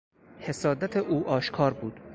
حسادت او آشکار بود.